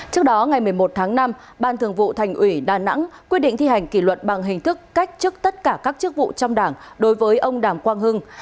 trước đó ngày một mươi một tháng năm ban thường vụ thành ủy đà nẵng quyết định thi hành kỷ luật bằng hình thức cách chức tất cả các chức vụ trong đảng đối với ông đàm quang hưng